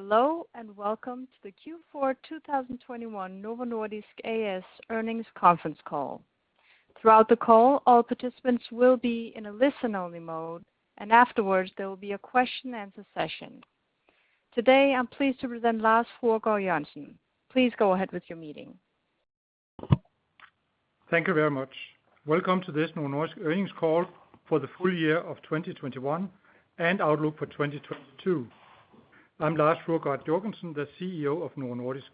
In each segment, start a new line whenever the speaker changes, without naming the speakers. Hello and welcome to the Q4 2021 Novo Nordisk A/S Earnings Conference Call. Throughout the call, all participants will be in a listen-only mode, and afterwards there will be a question and answer session. Today, I'm pleased to present Lars Fruergaard Jørgensen. Please go ahead with your meeting.
Thank you very much. Welcome to this Novo Nordisk earnings call for the full year of 2021 and outlook for 2022. I'm Lars Fruergaard Jørgensen, the CEO of Novo Nordisk.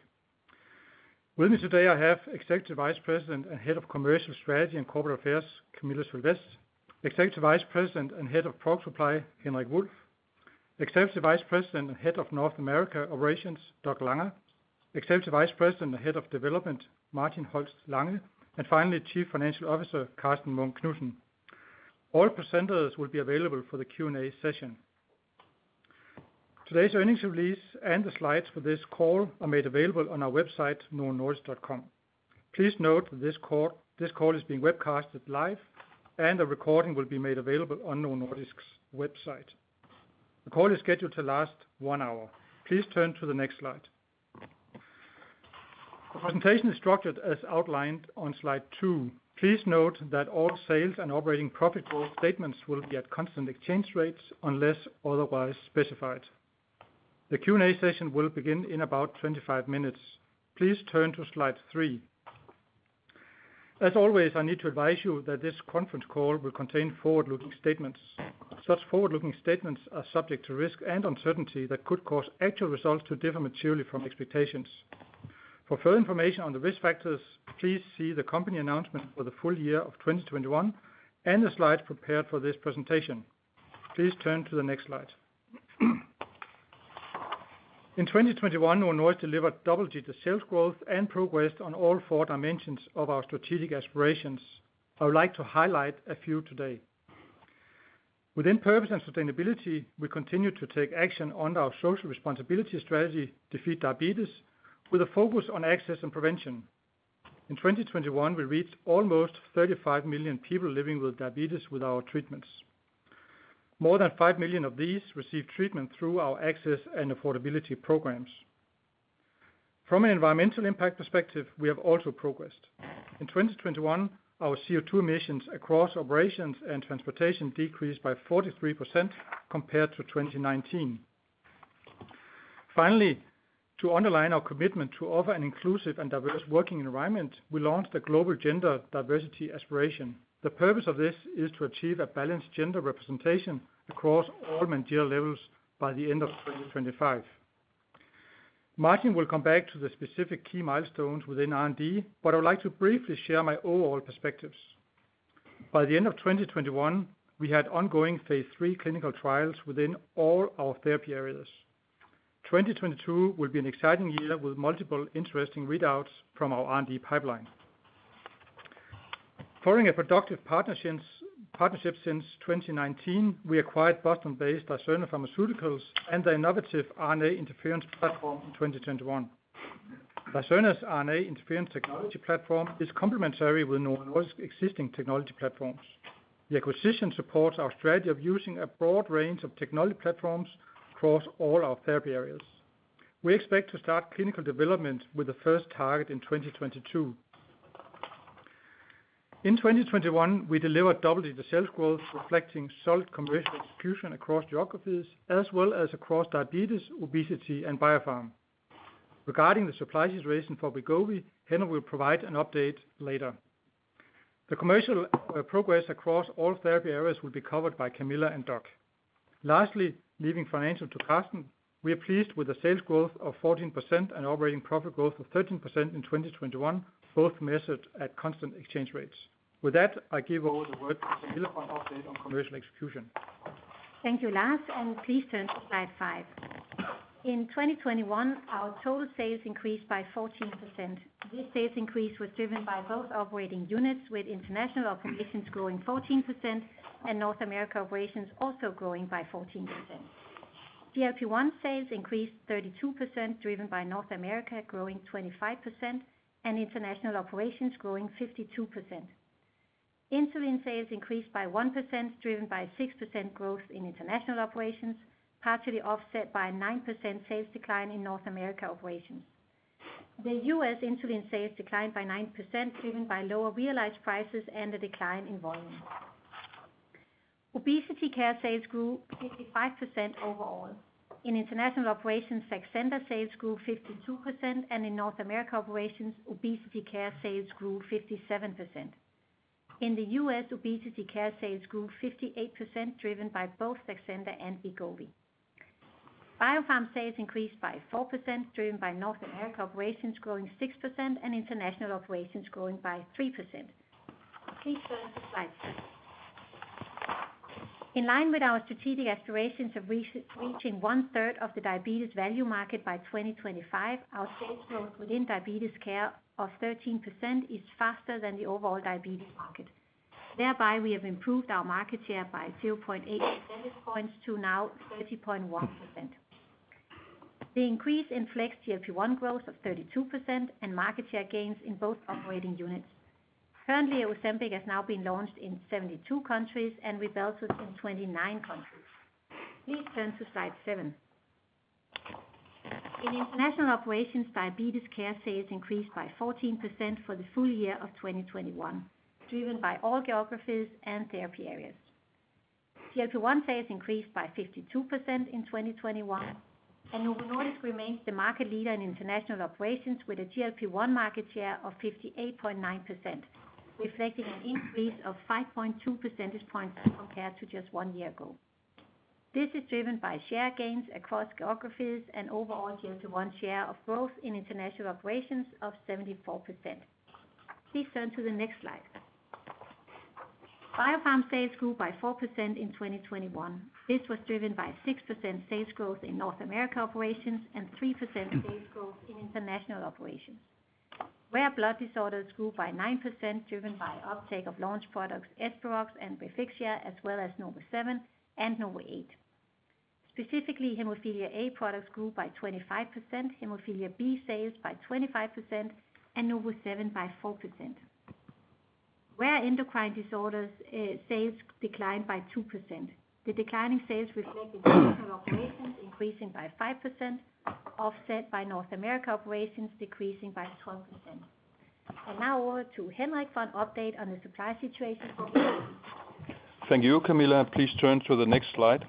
With me today, I have Executive Vice President and Head of Commercial Strategy and Corporate Affairs, Camilla Sylvest. Executive Vice President and Head of Product Supply, Henrik Wulff. Executive Vice President and Head of North America Operations, Douglas Langa. Executive Vice President and Head of Development, Martin Holst Lange. Finally, Chief Financial Officer, Karsten Munk Knudsen. All presenters will be available for the Q&A session. Today's earnings release and the slides for this call are made available on our website, novonordisk.com. Please note this call is being webcasted live, and a recording will be made available on Novo Nordisk's website. The call is scheduled to last one hour. Please turn to the next slide. The presentation is structured as outlined on slide two. Please note that all sales and operating profit growth statements will be at constant exchange rates unless otherwise specified. The Q&A session will begin in about 25 minutes. Please turn to slide three. As always, I need to advise you that this conference call will contain forward-looking statements. Such forward-looking statements are subject to risk and uncertainty that could cause actual results to differ materially from expectations. For further information on the risk factors, please see the company announcement for the full year of 2021 and the slides prepared for this presentation. Please turn to the next slide. In 2021, Novo Nordisk delivered double-digit sales growth and progressed on all four dimensions of our strategic aspirations. I would like to highlight a few today. Within purpose and sustainability, we continue to take action on our social responsibility strategy, Defeat Diabetes, with a focus on access and prevention. In 2021, we reached almost 35 million people living with diabetes with our treatments. More than 5 million of these received treatment through our access and affordability programs. From an environmental impact perspective, we have also progressed. In 2021, our CO2 emissions across operations and transportation decreased by 43% compared to 2019. Finally, to underline our commitment to offer an inclusive and diverse working environment, we launched a global gender diversity aspiration. The purpose of this is to achieve a balanced gender representation across all managerial levels by the end of 2025. Martin will come back to the specific key milestones within R&D, but I would like to briefly share my overall perspectives. By the end of 2021, we had ongoing phase III clinical trials within all our therapy areas. 2022 will be an exciting year with multiple interesting readouts from our R&D pipeline. Following a productive partnership since 2019, we acquired Boston-based Dicerna Pharmaceuticals and their innovative RNA interference platform in 2021. Dicerna's RNA interference technology platform is complementary with Novo Nordisk's existing technology platforms. The acquisition supports our strategy of using a broad range of technology platforms across all our therapy areas. We expect to start clinical development with the first target in 2022. In 2021, we delivered double-digit sales growth, reflecting solid commercial execution across geographies, as well as across diabetes, obesity, and biopharm. Regarding the supply situation for Wegovy, Henrik will provide an update later. The commercial progress across all therapy areas will be covered by Camilla and Doug. Lastly, leaving financial to Karsten, we are pleased with the sales growth of 14% and operating profit growth of 13% in 2021, both measured at constant exchange rates. With that, I give over the word to Camilla for an update on commercial execution.
Thank you, Lars, and please turn to slide 5. In 2021, our total sales increased by 14%. This sales increase was driven by both operating units, with international operations growing 14% and North America operations also growing by 14%. GLP-1 sales increased 32%, driven by North America growing 25%, and international operations growing 52%. Insulin sales increased by 1%, driven by 6% growth in international operations, partially offset by a 9% sales decline in North America operations. The U.S. insulin sales declined by 9%, driven by lower realized prices and a decline in volume. Obesity care sales grew 55% overall. In international operations, Saxenda sales grew 52%, and in North America operations, obesity care sales grew 57%. In the U.S., obesity care sales grew 58%, driven by both Saxenda and Wegovy. Biopharma sales increased by 4%, driven by North America operations growing 6% and international operations growing by 3%. Please turn to slide 6. In line with our strategic aspirations of reaching one-third of the diabetes value market by 2025, our sales growth within diabetes care of 13% is faster than the overall diabetes market. Thereby, we have improved our market share by 2.8 percentage points to now 30.1%. The increase in GLP-1 growth of 32% and market share gains in both operating units. Currently, Ozempic has now been launched in 72 countries and Rybelsus in 29 countries. Please turn to slide 7. In international operations, diabetes care sales increased by 14% for the full year of 2021, driven by all geographies and therapy areas. GLP-1 sales increased by 52% in 2021, and Novo Nordisk remains the market leader in international operations with a GLP-1 market share of 58.9%, reflecting an increase of 5.2 percentage points compared to just one year ago. This is driven by share gains across geographies and overall GLP-1 share of growth in international operations of 74%. Please turn to the next slide. Biopharma sales grew by 4% in 2021. This was driven by 6% sales growth in North America operations and 3% sales growth in international operations. Rare blood disorders grew by 9% driven by uptake of launch products, Esperoct and Refixia, as well as NovoSeven and NovoEight. Specifically, hemophilia A products grew by 25%, hemophilia B sales by 25%, and NovoSeven by 4%. Rare Endocrine Disorders sales declined by 2%. The declining sales reflect International Operations increasing by 5%, offset by North America Operations decreasing by 12%. Now over to Henrik for an update on the supply situation for Wegovy.
Thank you, Camilla. Please turn to the next slide.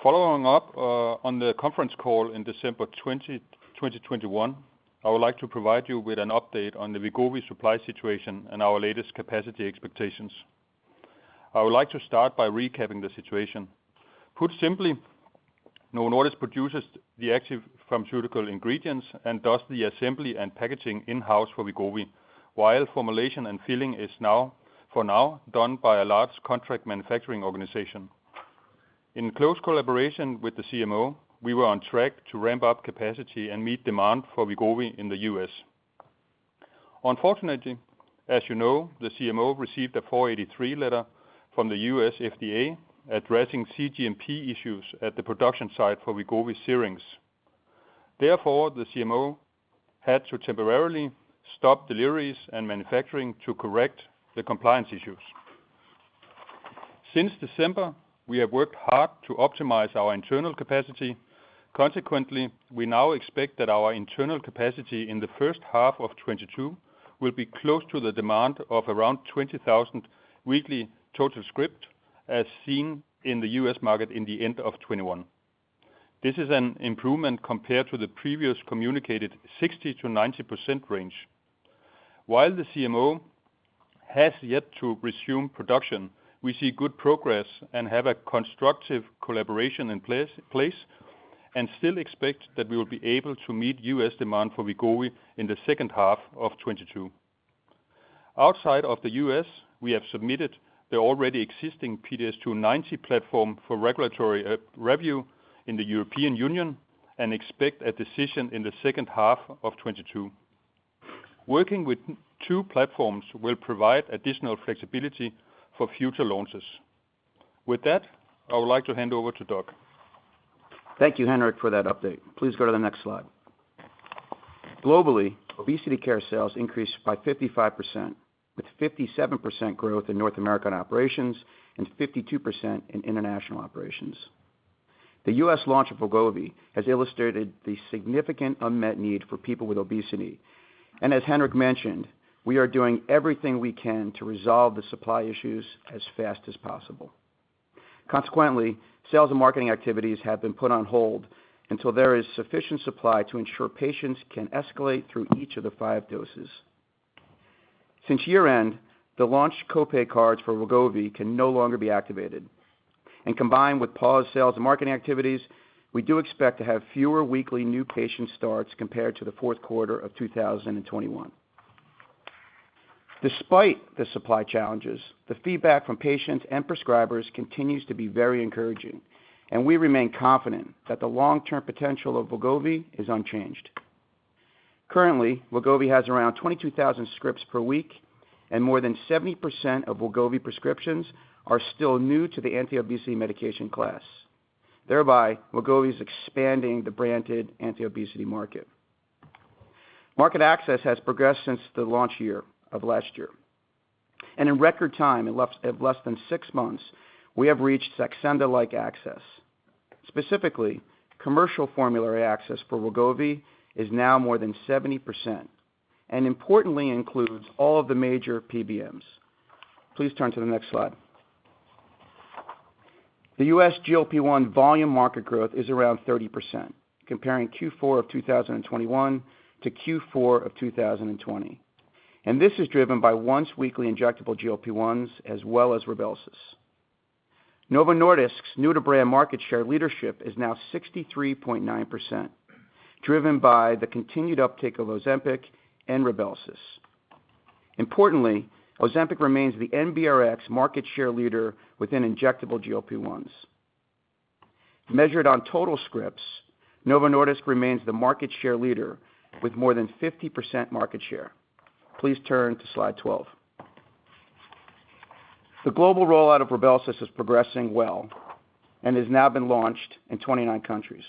Following up on the conference call in December 2021, I would like to provide you with an update on the Wegovy supply situation and our latest capacity expectations. I would like to start by recapping the situation. Put simply, Novo Nordisk produces the active pharmaceutical ingredients and does the assembly and packaging in-house for Wegovy, while formulation and filling is, for now, done by a large contract manufacturing organization. In close collaboration with the CMO, we were on track to ramp up capacity and meet demand for Wegovy in the U.S. Unfortunately, as you know, the CMO received a Form 483 letter from the U.S. FDA addressing CGMP issues at the production site for Wegovy syringes. Therefore, the CMO had to temporarily stop deliveries and manufacturing to correct the compliance issues. Since December, we have worked hard to optimize our internal capacity. Consequently, we now expect that our internal capacity in the first half of 2022 will be close to the demand of around 20,000 weekly total scripts as seen in the U.S. market in the end of 2021. This is an improvement compared to the previous communicated 60%-90% range. While the CMO has yet to resume production, we see good progress and have a constructive collaboration in place, and still expect that we will be able to meet U.S. demand for Wegovy in the second half of 2022. Outside of the U.S., we have submitted the already existing PDS290 platform for regulatory review in the European Union and expect a decision in the second half of 2022. Working with two platforms will provide additional flexibility for future launches. With that, I would like to hand over to Doug Langa.
Thank you, Henrik, for that update. Please go to the next slide. Globally, obesity care sales increased by 55%, with 57% growth in North American operations and 52% in international operations. The U.S. launch of Wegovy has illustrated the significant unmet need for people with obesity. As Henrik mentioned, we are doing everything we can to resolve the supply issues as fast as possible. Consequently, sales and marketing activities have been put on hold until there is sufficient supply to ensure patients can escalate through each of the five doses. Since year-end, the launch copay cards for Wegovy can no longer be activated. Combined with paused sales and marketing activities, we do expect to have fewer weekly new patient starts compared to the fourth quarter of 2021. Despite the supply challenges, the feedback from patients and prescribers continues to be very encouraging, and we remain confident that the long-term potential of Wegovy is unchanged. Currently, Wegovy has around 22,000 scripts per week, and more than 70% of Wegovy prescriptions are still new to the anti-obesity medication class. Thereby, Wegovy is expanding the branded anti-obesity market. Market access has progressed since the launch year of last year. In record time, less than six months, we have reached Saxenda-like access. Specifically, commercial formulary access for Wegovy is now more than 70%, and importantly includes all of the major PBMs. Please turn to the next slide. The U.S. GLP-1 volume market growth is around 30%, comparing Q4 of 2021 to Q4 of 2020, and this is driven by once weekly injectable GLP-1s as well as Rybelsus. Novo Nordisk's new to brand market share leadership is now 63.9%, driven by the continued uptake of Ozempic and Rybelsus. Importantly, Ozempic remains the NBRX market share leader within injectable GLP-1s. Measured on total scripts, Novo Nordisk remains the market share leader with more than 50% market share. Please turn to slide 12. The global rollout of Rybelsus is progressing well and has now been launched in 29 countries.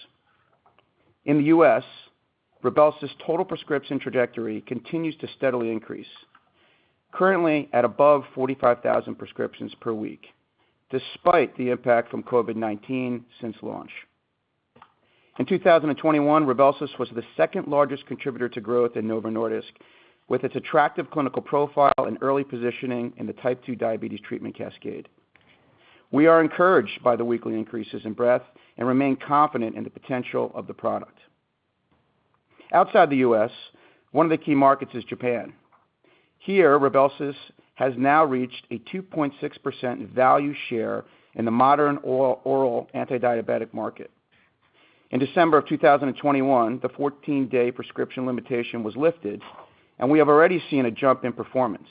In the U.S., Rybelsus total prescription trajectory continues to steadily increase, currently at above 45,000 prescriptions per week, despite the impact from COVID-19 since launch. In 2021, Rybelsus was the second largest contributor to growth in Novo Nordisk, with its attractive clinical profile and early positioning in the type 2 diabetes treatment cascade. We are encouraged by the weekly increases in breadth and remain confident in the potential of the product. Outside the U.S., one of the key markets is Japan. Here, Rybelsus has now reached a 2.6% value share in the Modern Oral Anti-Diabetic market. In December of 2021, the 14-day prescription limitation was lifted, and we have already seen a jump in performance.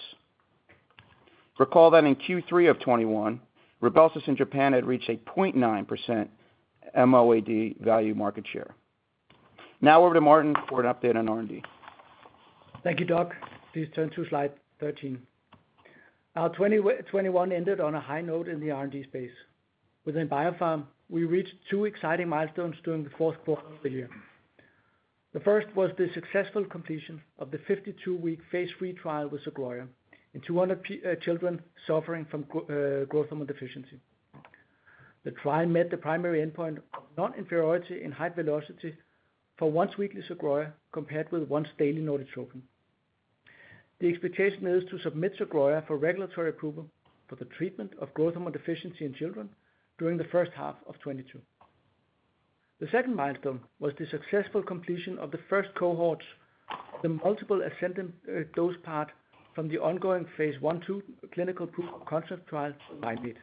Recall that in Q3 of 2021, Rybelsus in Japan had reached a 0.9% MOAD value market share. Now over to Martin for an update on R&D.
Thank you, Douglas. Please turn to slide 13. Our 2021 ended on a high note in the R&D space. Within biopharm, we reached two exciting milestones during the fourth quarter of the year. The first was the successful completion of the 52-week phase III trial with Sogroya in 200 children suffering from growth hormone deficiency. The trial met the primary endpoint of non-inferiority in height velocity for once weekly Sogroya compared with once daily Norditropin. The expectation is to submit Sogroya for regulatory approval for the treatment of growth hormone deficiency in children during the first half of 2022. The second milestone was the successful completion of the first cohorts, the multiple ascending dose part from the ongoing phase I/II clinical proof of concept trial for Mim8.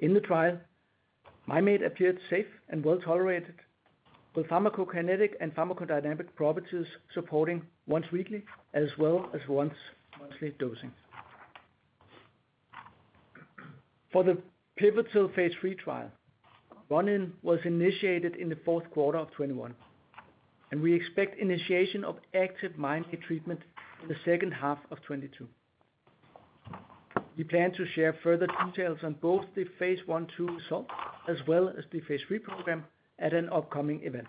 In the trial, MyMate appeared safe and well-tolerated, with pharmacokinetic and pharmacodynamic properties supporting once weekly as well as once monthly dosing. For the pivotal phase III trial, run-in was initiated in the fourth quarter of 2021, and we expect initiation of active MyMate treatment in the second half of 2022. We plan to share further details on both the phase I/II results as well as the phase III program at an upcoming event.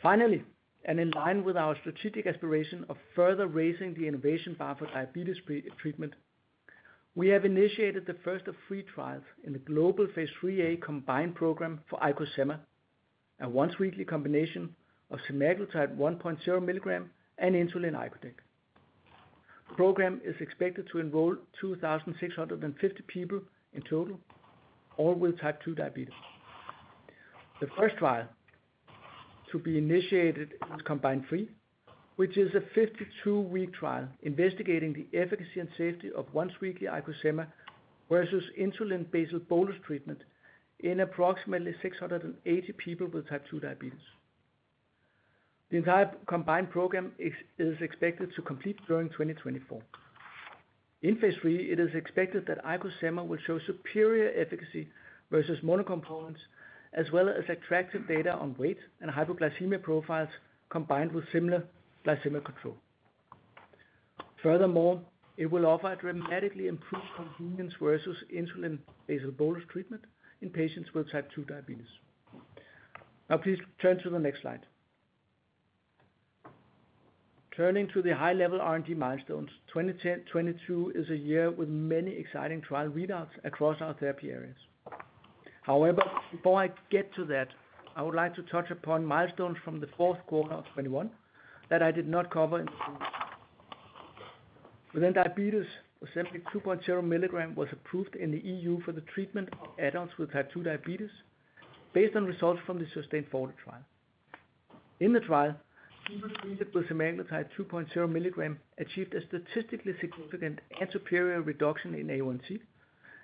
Finally, in line with our strategic aspiration of further raising the innovation bar for diabetes prevention, we have initiated the first of three trials in the global phase III COMBINE program for IcoSema, a once-weekly combination of semaglutide 1.0 mg and insulin icodec. Program is expected to enroll 2,650 people in total, all with type 2 diabetes. The first trial to be initiated is COMBINE 3, which is a 52-week trial investigating the efficacy and safety of once-weekly IcoSema versus insulin basal bolus treatment in approximately 680 people with type 2 diabetes. The entire COMBINE program is expected to complete during 2024. In phase III, it is expected that IcoSema will show superior efficacy versus monocomponents as well as attractive data on weight and hypoglycemia profiles combined with similar glycemic control. Furthermore, it will offer a dramatically improved convenience versus insulin basal bolus treatment in patients with type 2 diabetes. Now please turn to the next slide. Turning to the high-level R&D milestones, 2021-2022 is a year with many exciting trial readouts across our therapy areas. However, before I get to that, I would like to touch upon milestones from the fourth quarter of 2021 that I did not cover in February. Within diabetes, semaglutide 2.0 mg was approved in the EU for the treatment of adults with type 2 diabetes based on results from the SUSTAIN FORTE trial. In the trial, people treated with semaglutide 2.0 mg achieved a statistically significant and superior reduction in A1C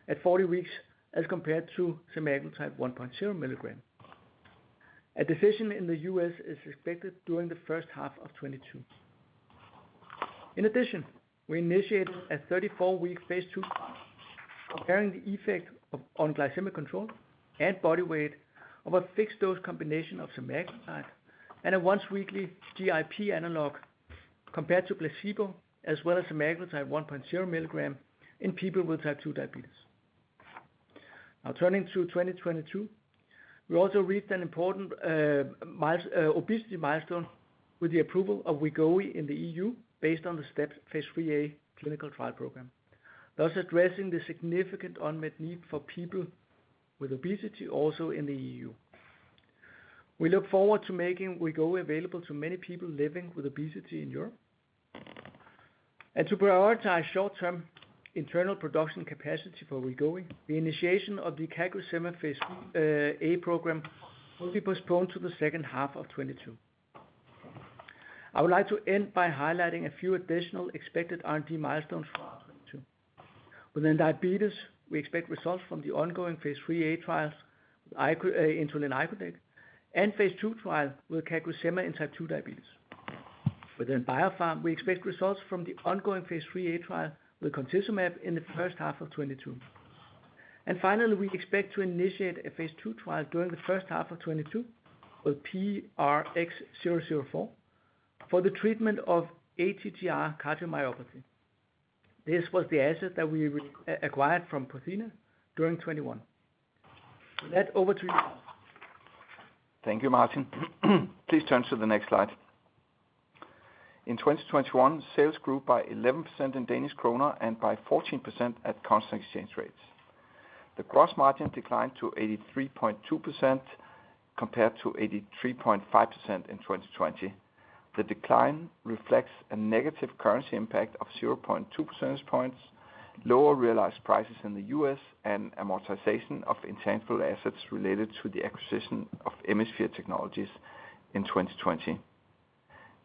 at 40 weeks as compared to semaglutide 1.0 mg. A decision in the U.S. is expected during the first half of 2022. In addition, we initiated a 34-week phase II trial comparing the effect on glycemic control and body weight of a fixed dose combination of semaglutide and a once-weekly GIP analog compared to placebo as well as semaglutide 1.0 mg in people with type 2 diabetes. Now turning to 2022, we also reached an important milestone with the approval of Wegovy in the EU based on the STEP phase IIIa clinical trial program, thus addressing the significant unmet need for people with obesity also in the EU. We look forward to making Wegovy available to many people living with obesity in Europe. To prioritize short-term internal production capacity for Wegovy, the initiation of the CagriSema phase IIa program will be postponed to the second half of 2022. I would like to end by highlighting a few additional expected R&D milestones for 2022. Within diabetes, we expect results from the ongoing phase IIIa trials insulin icodec, and phase II trial with CagriSema in type 2 diabetes. Within BioPharm, we expect results from the ongoing phase IIIa trial with concizumab in the first half of 2022. Finally, we expect to initiate a phase II trial during the first half of 2022 with PRX004 for the treatment of ATTR cardiomyopathy. This was the asset that we re-acquired from Prothena during 2021. With that, over to you, Lars.
Thank you, Martin. Please turn to the next slide. In 2021, sales grew by 11% in Danish krone and by 14% at constant exchange rates. The gross margin declined to 83.2% compared to 83.5% in 2020. The decline reflects a negative currency impact of 0.2 percentage points, lower realized prices in the U.S., and amortization of intangible assets related to the acquisition of Emisphere Technologies in 2020.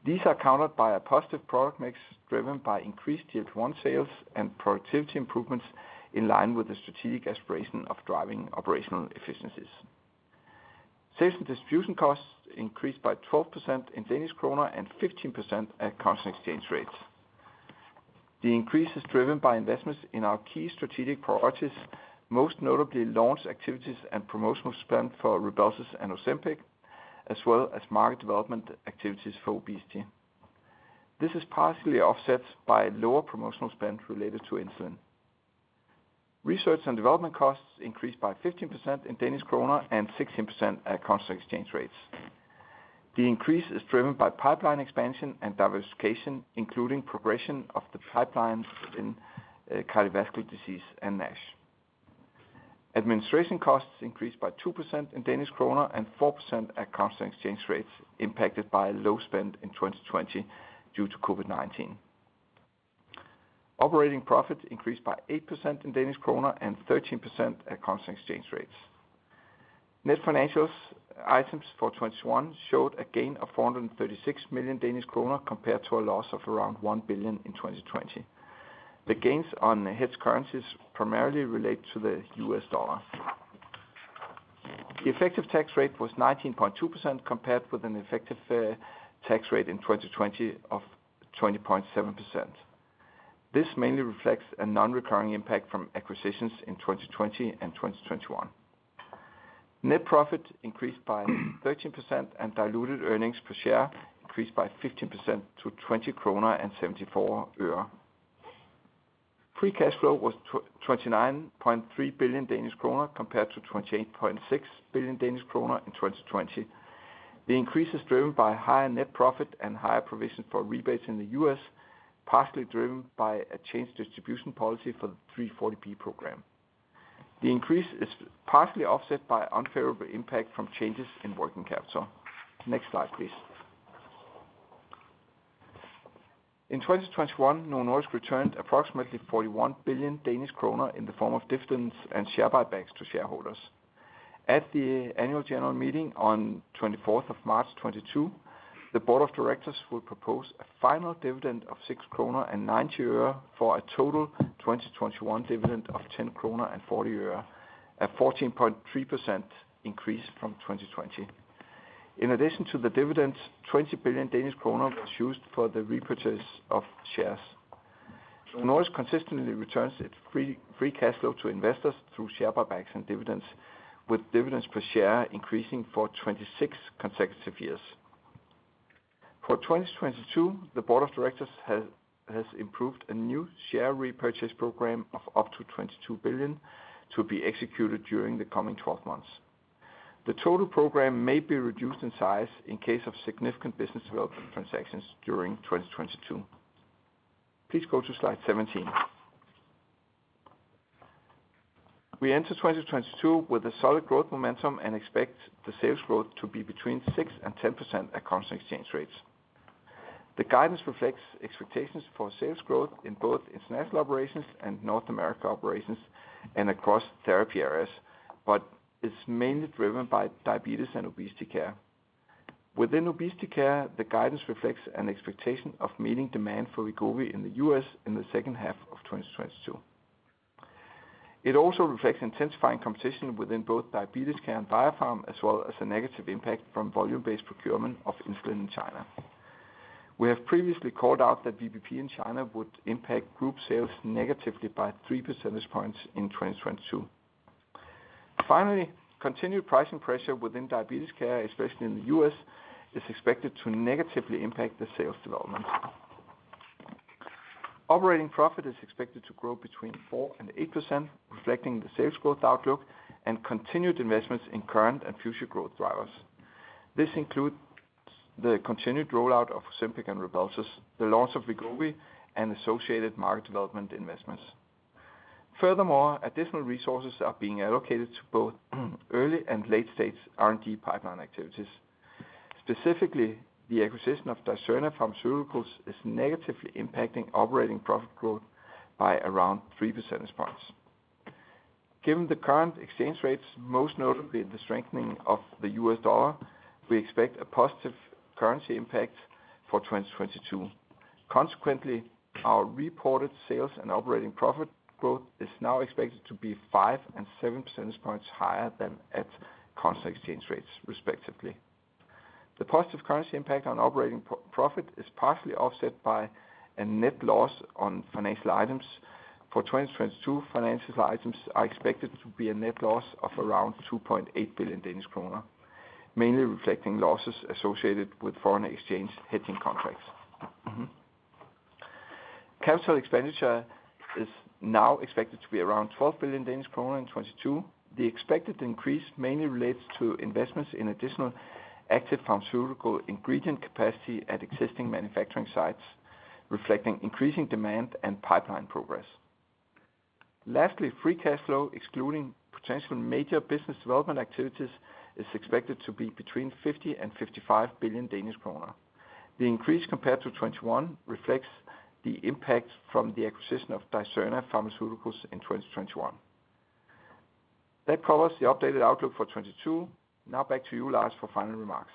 These are countered by a positive product mix driven by increased Tier 1 sales and productivity improvements in line with the strategic aspiration of driving operational efficiencies. Sales and distribution costs increased by 12% in Danish krone and 15% at constant exchange rates. The increase is driven by investments in our key strategic priorities, most notably launch activities and promotional spend for Rybelsus and Ozempic, as well as market development activities for obesity. This is partially offset by lower promotional spend related to insulin. Research and development costs increased by 15% in DKK and 16% at constant exchange rates. The increase is driven by pipeline expansion and diversification, including progression of the pipeline in cardiovascular disease and NASH. Administration costs increased by 2% in DKK and 4% at constant exchange rates impacted by low spend in 2020 due to COVID-19. Operating profits increased by 8% in DKK and 13% at constant exchange rates. Net financials items for 2021 showed a gain of 436 million Danish kroner compared to a loss of around 1 billion in 2020. The gains on hedge currencies primarily relate to the U.S. dollar. The effective tax rate was 19.2% compared with an effective tax rate in 2020 of 20.7%. This mainly reflects a non-recurring impact from acquisitions in 2020 and 2021. Net profit increased by 13% and diluted earnings per share increased by 15% to 20.74 DKK. Free cash flow was 29.3 billion Danish kroner compared to 28.6 billion Danish kroner in 2020. The increase is driven by higher net profit and higher provision for rebates in the U.S., partially driven by a change distribution policy for the 340B program. The increase is partially offset by unfavorable impact from changes in working capital. Next slide, please. In 2021, Novo Nordisk returned approximately 41 billion Danish kroner in the form of dividends and share buybacks to shareholders. At the annual general meeting on 24th of March 2022, the board of directors will propose a final dividend of DKK 6.90 for a total 2021 dividend of DKK 10.40, a 14.3% increase from 2020. In addition to the dividends, 20 billion Danish kroner was used for the repurchase of shares. Novo Nordisk consistently returns its free cash flow to investors through share buybacks and dividends, with dividends per share increasing for 26 consecutive years. For 2022, the board of directors has approved a new share repurchase program of up to 22 billion to be executed during the coming 12 months. The total program may be reduced in size in case of significant business development transactions during 2022. Please go to slide 17. We enter 2022 with a solid growth momentum and expect the sales growth to be between 6% and 10% at constant exchange rates. The guidance reflects expectations for sales growth in both international operations and North America Operations and across therapy areas, but it's mainly driven by Diabetes and Obesity Care. Within Obesity Care, the guidance reflects an expectation of meeting demand for Wegovy in the U.S. in the second half of 2022. It also reflects intensifying competition within both Diabetes Care and biopharma, as well as a negative impact from volume-based procurement of insulin in China. We have previously called out that VBP in China would impact group sales negatively by 3 percentage points in 2022. Finally, continued pricing pressure within diabetes care, especially in the U.S., is expected to negatively impact the sales development. Operating profit is expected to grow between 4% and 8%, reflecting the sales growth outlook and continued investments in current and future growth drivers. This includes the continued rollout of Ozempic and Rybelsus, the launch of Wegovy, and associated market development investments. Furthermore, additional resources are being allocated to both early and late-stage R&D pipeline activities. Specifically, the acquisition of Dicerna Pharmaceuticals is negatively impacting operating profit growth by around 3 percentage points. Given the current exchange rates, most notably the strengthening of the U.S. dollar, we expect a positive currency impact for 2022. Consequently, our reported sales and operating profit growth is now expected to be five and seven percentage points higher than at constant exchange rates, respectively. The positive currency impact on operating profit is partially offset by a net loss on financial items. For 2022, financial items are expected to be a net loss of around 2.8 billion Danish kroner, mainly reflecting losses associated with foreign exchange hedging contracts. Capital expenditure is now expected to be around 12 billion Danish kroner in 2022. The expected increase mainly relates to investments in additional active pharmaceutical ingredient capacity at existing manufacturing sites, reflecting increasing demand and pipeline progress. Lastly, free cash flow, excluding potential major business development activities, is expected to be between 50 billion and 55 billion Danish kroner. The increase compared to 2021 reflects the impact from the acquisition of Dicerna Pharmaceuticals in 2021. That covers the updated outlook for 2022. Now back to you, Lars, for final remarks.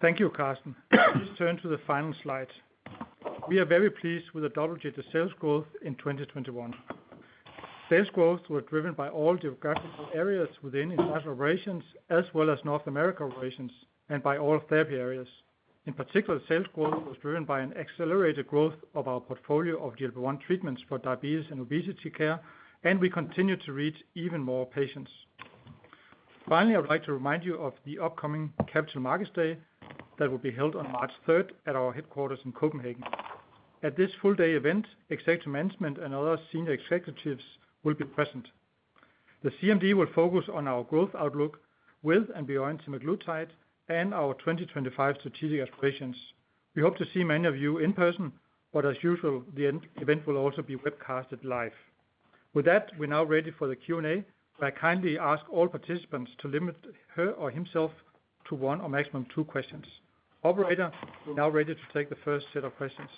Thank you Karsten. Let's turn to the final slide. We are very pleased with the double-digit sales growth in 2021. Sales growth were driven by all geographical areas within International Operations, as well as North America Operations, and by all therapy areas. In particular, sales growth was driven by an accelerated growth of our portfolio of GLP-1 treatments for diabetes and obesity care, and we continue to reach even more patients. Finally, I would like to remind you of the upcoming Capital Markets Day that will be held on March 3, 2022 at our headquarters in Copenhagen. At this full-day event, executive management and other senior executives will be present. The CMD will focus on our growth outlook with and beyond semaglutide and our 2025 strategic aspirations. We hope to see many of you in person, but as usual, the event will also be webcast live. With that, we're now ready for the Q&A. I kindly ask all participants to limit her or himself to one or maximum two questions. Operator, we're now ready to take the first set of questions.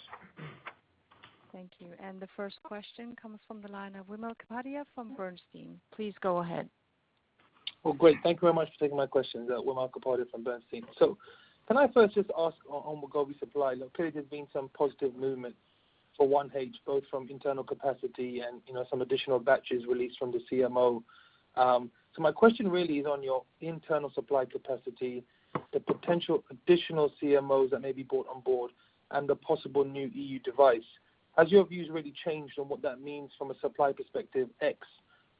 Thank you. The first question comes from the line of Vimal Kapadia from Bernstein. Please go ahead.
Well, great. Thank you very much for taking my questions. Vimal Kapadia from Bernstein. So can I first just ask on Wegovy supply? Okay, there's been some positive movement for 1H, both from internal capacity and, you know, some additional batches released from the CMO. So my question really is on your internal supply capacity, the potential additional CMOs that may be brought on board, and the possible new EU device. Has your views really changed on what that means from a supply perspective, ex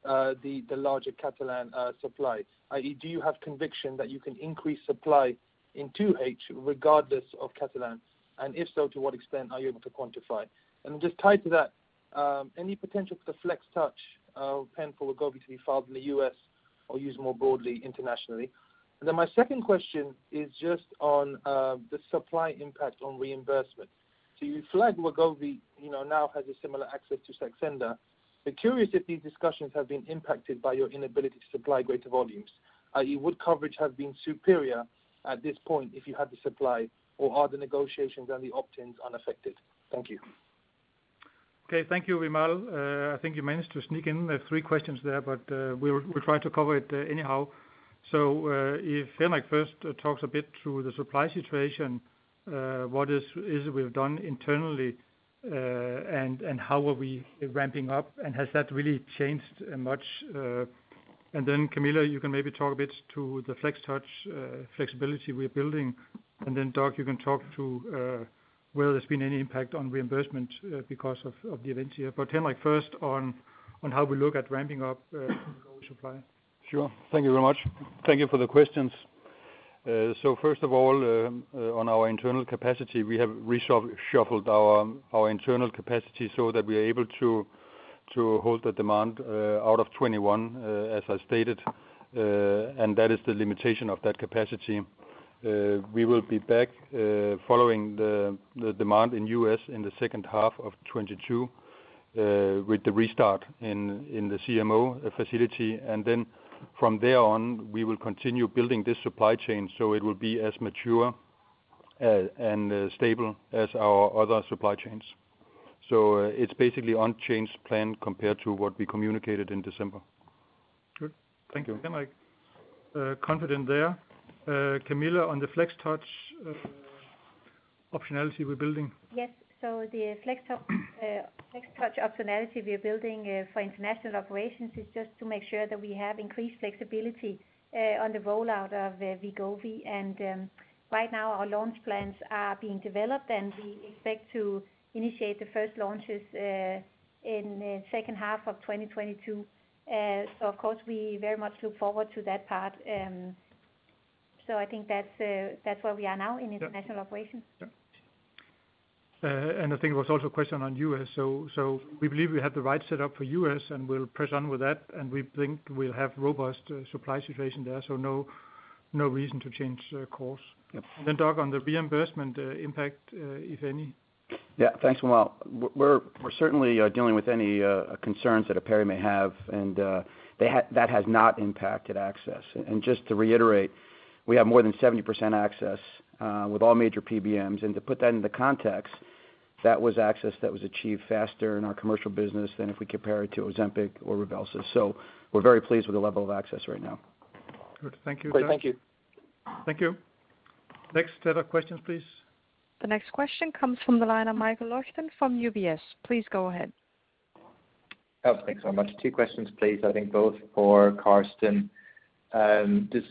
the larger Catalent supply? I.e., do you have conviction that you can increase supply in 2H regardless of Catalent? And if so, to what extent are you able to quantify? And just tied to that, any potential for the FlexTouch pen for Wegovy to be filed in the U.S. or used more broadly internationally? My second question is just on the supply impact on reimbursement. You flagged Wegovy, you know, now has a similar access to Saxenda. I'd be curious if these discussions have been impacted by your inability to supply greater volumes. i.e., would coverage have been superior at this point if you had the supply, or are the negotiations and the opt-ins unaffected? Thank you.
Okay. Thank you, Vimal. I think you managed to sneak in three questions there, but we'll try to cover it anyhow. If Henrik first talks a bit through the supply situation, what we've done internally, and how we are ramping up, and has that really changed much? Then Camilla, you can maybe talk a bit to the FlexTouch flexibility we're building. Then Doug, you can talk to whether there's been any impact on reimbursement because of the events here. Henrik first on how we look at ramping up Wegovy supply.
Sure. Thank you very much. Thank you for the questions. First of all, on our internal capacity, we have reshuffled our internal capacity so that we're able to hold the demand out of 2021, as I stated, and that is the limitation of that capacity. We will be back following the demand in the U.S. in the second half of 2022 with the restart in the CMO facility. Then from there on, we will continue building this supply chain, so it will be as mature and stable as our other supply chains. It's basically unchanged plan compared to what we communicated in December.
Good. Thank you, Henrik. Confident there. Camilla, on the FlexTouch optionality we're building.
Yes. The FlexTouch optionality we are building for International Operations is just to make sure that we have increased flexibility on the rollout of Wegovy. Right now our launch plans are being developed, and we expect to initiate the first launches in the second half of 2022. Of course we very much look forward to that part. I think that's where we are now in International Operations.
Yeah. I think there was also a question on U.S. We believe we have the right setup for U.S., and we'll press on with that, and we think we'll have robust supply situation there. No reason to change course.
Yep.
Doug, on the reimbursement impact, if any.
Yeah. Thanks, Vimal. We're certainly dealing with any concerns that a payer may have, and that has not impacted access. Just to reiterate, we have more than 70% access with all major PBMs. To put that into context, that was access that was achieved faster in our commercial business than if we compare it to Ozempic or Rybelsus. We're very pleased with the level of access right now.
Good. Thank you, Doug.
Great. Thank you.
Thank you. Next set of questions, please.
The next question comes from the line of Michael Leuchten from UBS. Please go ahead.
Oh, thanks so much. Two questions, please. I think both for Karsten. Just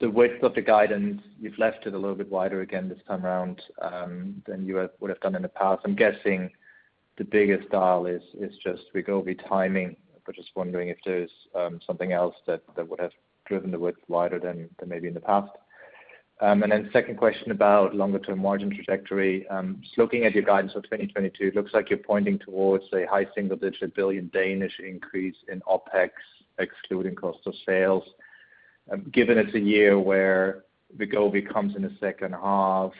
the width of the guidance, you've left it a little bit wider again this time around than you would have done in the past. I'm guessing the biggest dial is just Wegovy timing. Just wondering if there's something else that would have driven the width wider than maybe in the past. And then second question about longer term margin trajectory. Just looking at your guidance for 2022, it looks like you're pointing towards a high single digit billion DKK increase in OpEx, excluding cost of sales. Given it's a year where Wegovy comes in the second half,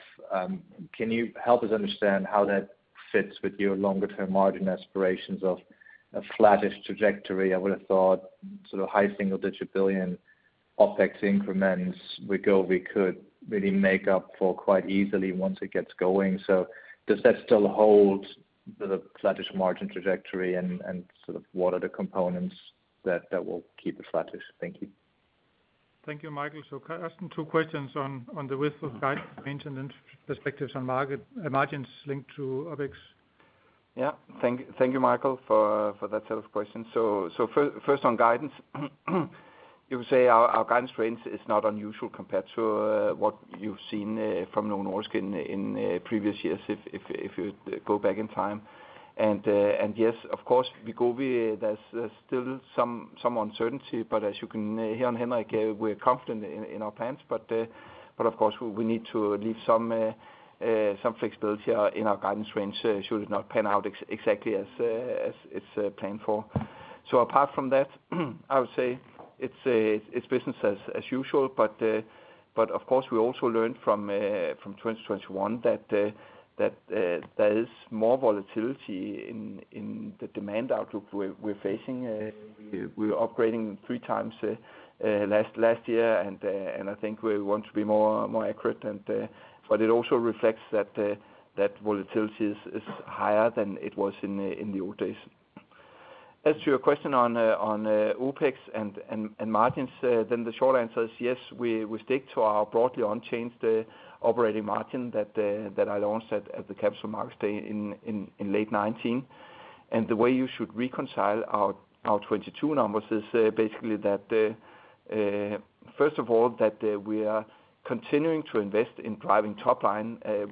can you help us understand how that fits with your longer term margin aspirations of a flattish trajectory? I would've thought sort of high single-digit billion OpEx increments Wegovy could really make up for quite easily once it gets going. Does that still hold the flattish margin trajectory and sort of what are the components that will keep it flattish? Thank you.
Thank you, Michael. Can I ask two questions on the width of guidance range and then perspectives on market, margins linked to OpEx?
Yeah. Thank you Michael for that set of questions. First on guidance, you could say our guidance range is not unusual compared to what you've seen from Novo Nordisk in previous years if you go back in time. Yes, of course Wegovy, there's still some uncertainty. As you can hear on Henrik, we're confident in our plans. Of course we need to leave some flexibility in our guidance range should it not pan out exactly as it's planned for. Apart from that, I would say it's business as usual. Of course we also learned from 2021 that there is more volatility in the demand outlook we're facing. We're upgrading three times last year. I think we want to be more accurate and it also reflects that volatility is higher than it was in the old days. As to your question on OpEx and margins, the short answer is yes, we stick to our broadly unchanged operating margin that I launched at the Capital Markets Day in late 2019. The way you should reconcile our 2022 numbers is basically that first of all we are continuing to invest in driving top line. I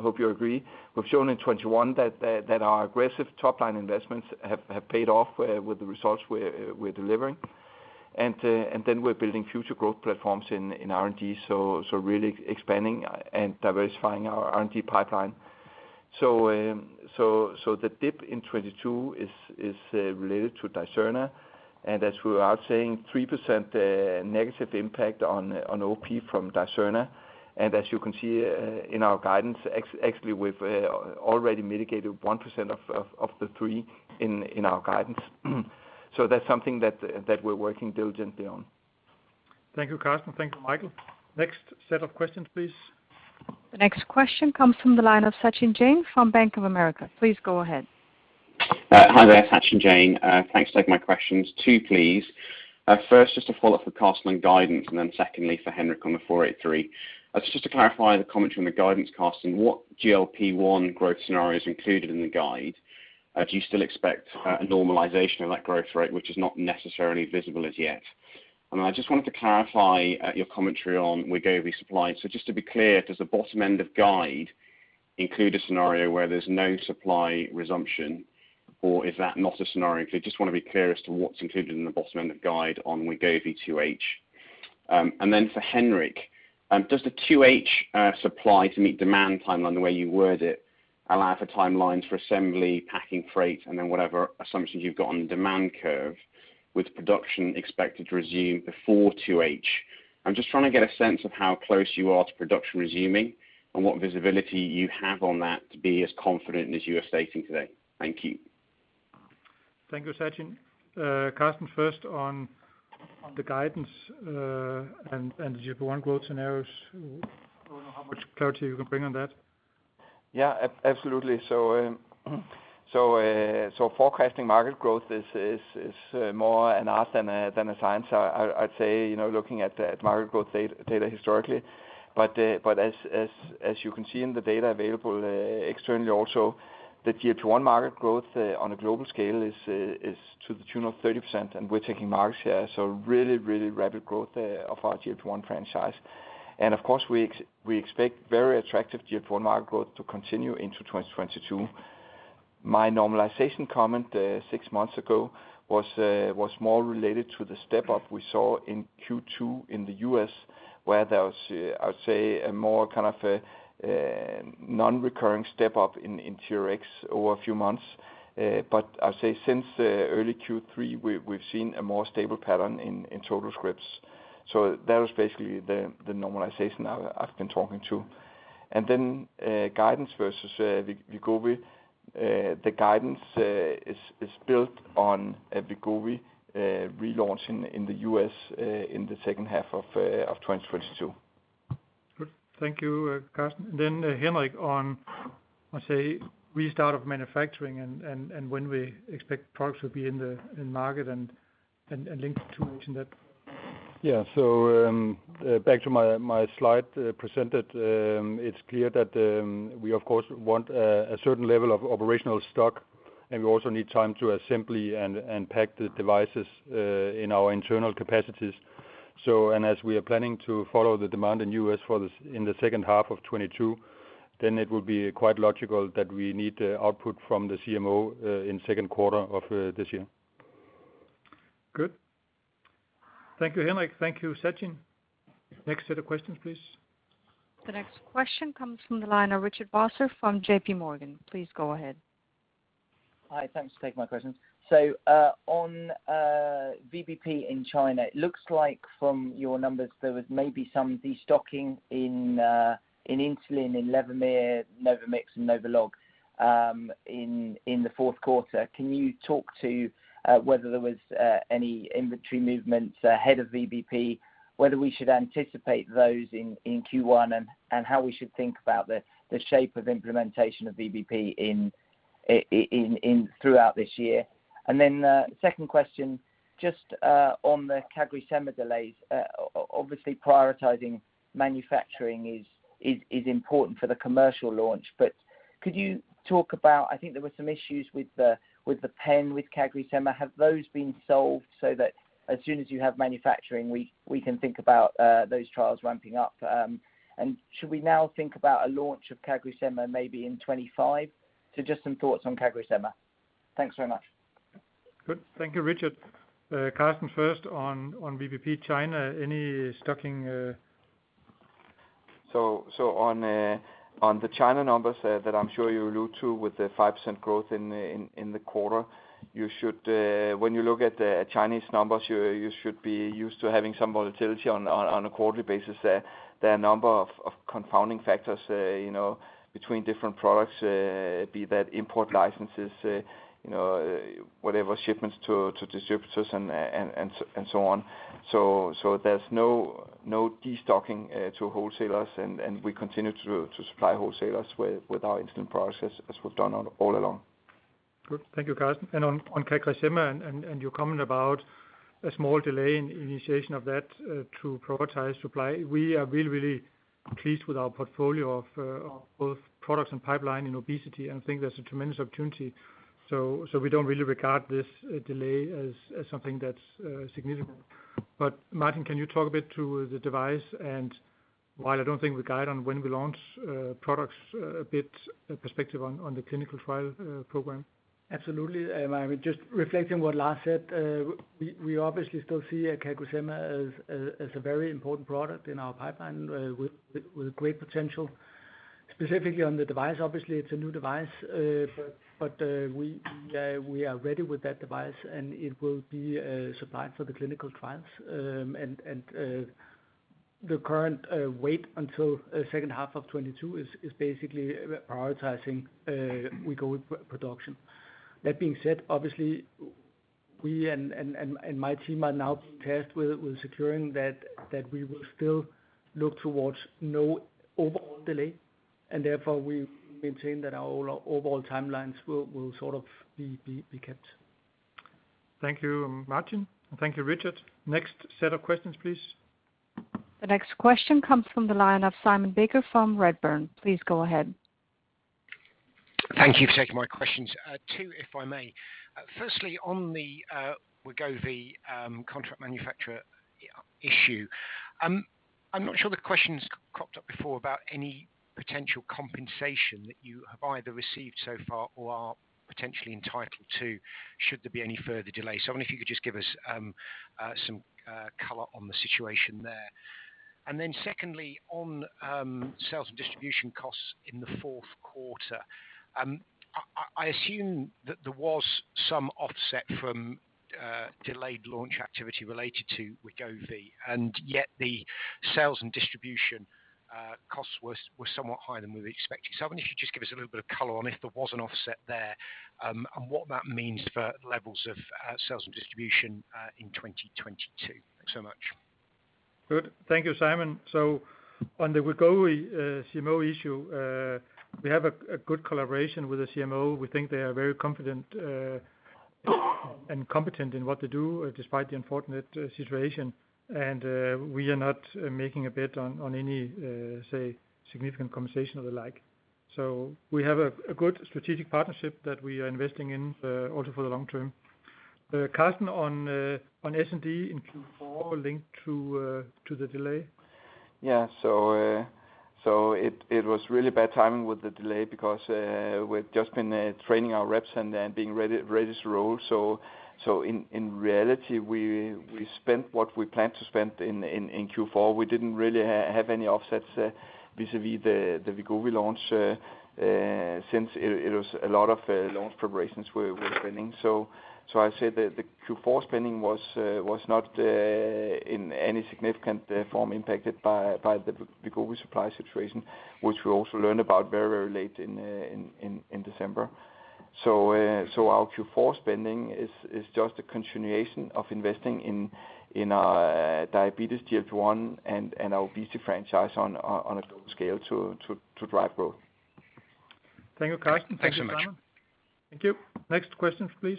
hope you agree, we've shown in 2021 that our aggressive top line investments have paid off with the results we're delivering. We're building future growth platforms in R&D, so really expanding and diversifying our R&D pipeline. The dip in 2022 is related to Dicerna, and as we are saying, 3% negative impact on OP from Dicerna. As you can see in our guidance, actually we've already mitigated 1% of the three in our guidance. That's something that we're working diligently on.
Thank you, Karsten. Thank you, Michael. Next set of questions, please.
The next question comes from the line of Sachin Jain from Bank of America. Please go ahead.
Hi there, Sachin Jain. Thanks for taking my questions. Two, please. First just a follow-up for Karsten on guidance, and then secondly for Henrik on the FDA Form 483. Just to clarify the comments from the guidance, Karsten, what GLP-1 growth scenario is included in the guide? Do you still expect a normalization of that growth rate, which is not necessarily visible as yet? I just wanted to clarify your commentary on Wegovy supply. So just to be clear, does the bottom end of guide include a scenario where there's no supply resumption, or is that not a scenario? Because I just want to be clear as to what's included in the bottom end of guide on Wegovy 2H. For Henrik, does the 2H supply to meet demand timeline, the way you word it, allow for timelines for assembly, packaging, freight, and then whatever assumptions you've got on the demand curve with production expected to resume before 2H? I'm just trying to get a sense of how close you are to production resuming and what visibility you have on that to be as confident as you are stating today. Thank you.
Thank you, Sachin. Karsten, first on the guidance, and the GLP-1 growth scenarios. I don't know how much clarity you can bring on that.
Yeah, absolutely. Forecasting market growth is more an art than a science, I'd say, you know, looking at market growth data historically. As you can see in the data available externally also, the GLP-1 market growth on a global scale is to the tune of 30% and we're taking market share. Really rapid growth of our GLP-1 franchise. Of course we expect very attractive GLP-1 market growth to continue into 2022. My normalization comment six months ago was more related to the step up we saw in Q2 in the U.S. where there was I would say a more kind of a non-recurring step up in TRX over a few months. I'd say since early Q3, we've seen a more stable pattern in total scripts. That was basically the normalization I've been talking to. Guidance versus Wegovy. The guidance is built on Wegovy relaunching in the U.S. in the second half of 2022.
Good. Thank you, Karsten. Henrik on, I'd say restart of manufacturing and when we expect products will be in the market and linked to 2H and that-
Yeah. Back to my slide presented, it's clear that we of course want a certain level of operational stock, and we also need time to assemble and pack the devices in our internal capacities. As we are planning to follow the demand in the U.S. for this in the second half of 2022, then it will be quite logical that we need the output from the CMO in second quarter of this year.
Good. Thank you, Henrik. Thank you, Sachin. Next set of questions, please.
The next question comes from the line of Richard Vosser from J.P. Morgan. Please go ahead.
Hi. Thanks for taking my questions. On VBP in China, it looks like from your numbers there was maybe some de-stocking in insulin, in Levemir, NovoMix, and NovoLog, in the fourth quarter. Can you talk to whether there was any inventory movements ahead of VBP, whether we should anticipate those in Q1, and how we should think about the shape of implementation of VBP in throughout this year? Second question, just on the CagriSema delays, obviously prioritizing manufacturing is important for the commercial launch. Could you talk about, I think, there were some issues with the pen with CagriSema, have those been solved so that as soon as you have manufacturing, we can think about those trials ramping up? Should we now think about a launch of CagriSema maybe in 2025? Just some thoughts on CagriSema. Thanks very much.
Good. Thank you, Richard. Karsten first on VBP China, any stocking.
On the China numbers that I'm sure you allude to with the 5% growth in the quarter, when you look at the Chinese numbers, you should be used to having some volatility on a quarterly basis. There are a number of confounding factors, you know, between different products, be that import licenses, you know, whatever shipments to distributors and so on. There's no de-stocking to wholesalers and we continue to supply wholesalers with our insulin products as we've done all along.
Good. Thank you, Karsten. On CagriSema and your comment about a small delay in initiation of that to prioritize supply, we are really pleased with our portfolio of both products and pipeline in obesity, and think there's a tremendous opportunity. We don't really regard this delay as something that's significant. Martin, can you talk a bit to the device and while I don't think we guide on when we launch products, a bit perspective on the clinical trial program?
Absolutely. I mean, just reflecting what Lars said, we obviously still see CagriSema as a very important product in our pipeline, with great potential. Specifically on the device, obviously it's a new device. We are ready with that device and it will be supplied for the clinical trials. The current wait until second half of 2022 is basically prioritizing production. That being said, obviously we and my team are now being tasked with securing that we will still look towards no overall delay, and therefore we maintain that our overall timelines will sort of be kept.
Thank you, Martin. Thank you, Richard. Next set of questions, please.
The next question comes from the line of Simon Baker from Redburn. Please go ahead.
Thank you for taking my questions. Two if I may. Firstly on the Wegovy contract manufacturer issue, I'm not sure the question's cropped up before about any potential compensation that you have either received so far or are potentially entitled to should there be any further delay. I wonder if you could just give us some color on the situation there. Secondly, on sales and distribution costs in the fourth quarter, I assume that there was some offset from delayed launch activity related to Wegovy, and yet the sales and distribution costs were somewhat higher than we were expecting. I wonder if you could just give us a little bit of color on if there was an offset there, and what that means for levels of sales and distribution in 2022. Thanks so much.
Good. Thank you, Simon. On the Wegovy CMO issue, we have a good collaboration with the CMO. We think they are very confident and competent in what they do despite the unfortunate situation. We are not making a bet on any say significant conversation or the like. We have a good strategic partnership that we are investing in also for the long term. Karsten on S&D in Q4 linked to the delay.
It was really bad timing with the delay because we've just been training our reps and them being ready to roll. In reality, we spent what we planned to spend in Q4. We didn't really have any offsets vis-a-vis the Wegovy launch since it was a lot of launch preparations we're spending. I say that the Q4 spending was not in any significant form impacted by the Wegovy supply situation, which we also learned about very late in December. Our Q4 spending is just a continuation of investing in diabetes GLP-1 and our obesity franchise on a global scale to drive growth.
Thank you, Karsten. Thank you, Simon.
Thanks so much.
Thank you. Next question, please.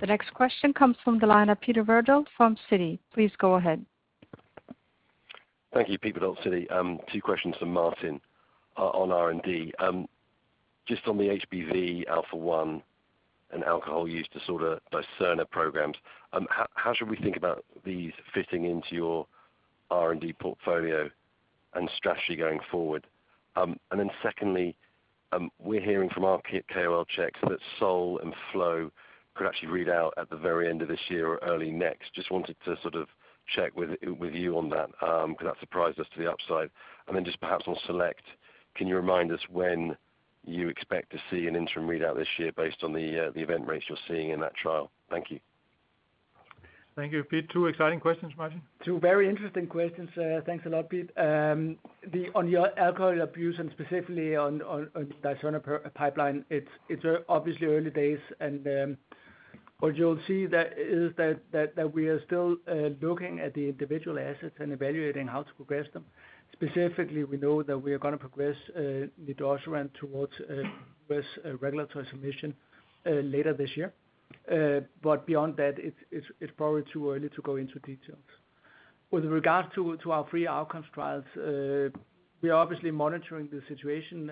The next question comes from the line of Peter Verdult from Citi. Please go ahead.
Thank you. Peter Verdult, Citi. Two questions for Martin on R&D. Just on the HBV alpha one and alcohol use disorder Dicerna programs, how should we think about these fitting into your R&D portfolio and strategy going forward? And then secondly, we're hearing from our KOL checks that SOUL and FLOW could actually read out at the very end of this year or early next. Just wanted to sort of check with you on that because that surprised us to the upside. Just perhaps on SELECT, can you remind us when you expect to see an interim readout this year based on the event rates you're seeing in that trial? Thank you.
Thank you, Pete. Two exciting questions, Martin.
Two very interesting questions. Thanks a lot, Pete. On your alcohol abuse and specifically on Dicerna pipeline, it's obviously early days. What you'll see is that we are still looking at the individual assets and evaluating how to progress them. Specifically, we know that we are gonna progress nedosiran towards this regulatory submission later this year. But beyond that, it's probably too early to go into details. With regards to our CV outcomes trials, we are obviously monitoring the situation.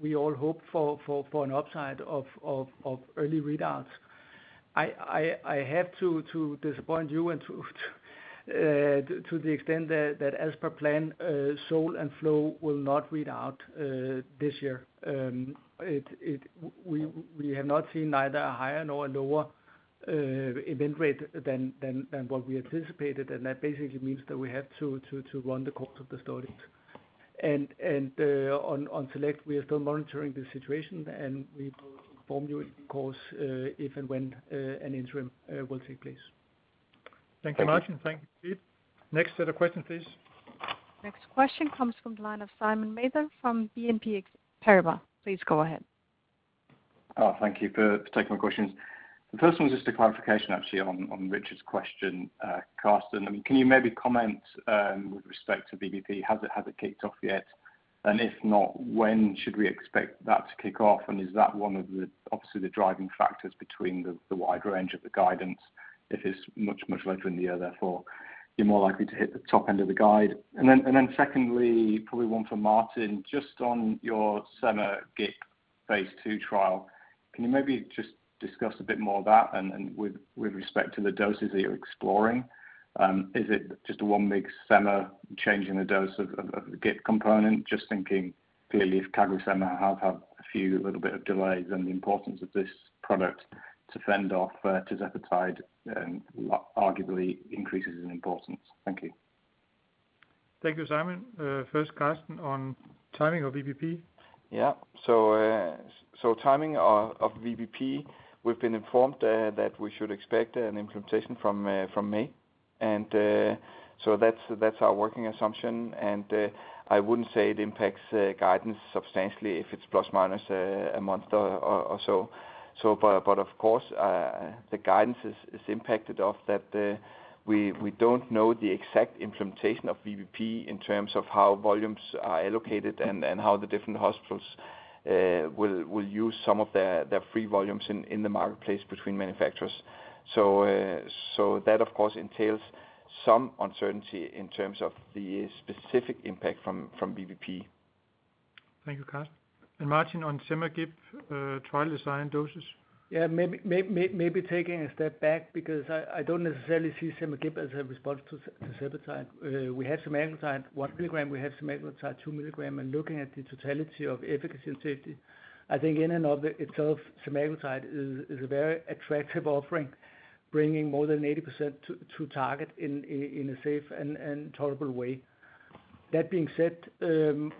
We all hope for an upside of early readouts. I have to disappoint you to the extent that as per plan, SOUL and FLOW will not read out this year. We have not seen either a higher nor a lower event rate than what we anticipated. That basically means that we have to run the course of the studies. On SELECT, we are still monitoring the situation, and we will inform you in due course if and when an interim will take place.
Thank you.
Thank you, Martin. Thank you, Pete. Next set of questions, please.
Next question comes from the line of Simon Mather from BNP Paribas Exane. Please go ahead.
Oh, thank you for taking my questions. The first one is just a clarification actually on Richard's question, Karsten. Can you maybe comment with respect to VBP? Has it kicked off yet? And if not, when should we expect that to kick off, and is that one of the obvious driving factors between the wide range of the guidance if it's much later in the year, therefore you're more likely to hit the top end of the guide? And then secondly, probably one for Martin, just on your semaglutide phase II trial, can you maybe just discuss a bit more that and with respect to the doses that you're exploring? Is it just one big sema change in the dose of the GLP component? Just thinking clearly, if CagriSema have had a few little bit of delays and the importance of this product to fend off tirzepatide arguably increases in importance. Thank you.
Thank you, Simon. First, Karsten, on timing of VBP.
Yeah. Timing of VBP, we've been informed that we should expect an implementation from May. That's our working assumption. I wouldn't say it impacts guidance substantially if it's plus minus a month or so. Of course, the guidance is impacted off that. We don't know the exact implementation of VBP in terms of how volumes are allocated and how the different hospitals will use some of their free volumes in the marketplace between manufacturers. That of course entails some uncertainty in terms of the specific impact from VBP.
Thank you, Karsten. Martin, on semaglutide, trial design doses.
Yeah. Maybe taking a step back because I don't necessarily see semaglutide as a response to tirzepatide. We have semaglutide 1 mg, we have semaglutide 2 mg, and looking at the totality of efficacy and safety, I think in and of itself semaglutide is a very attractive offering, bringing more than 80% to target in a safe and tolerable way. That being said,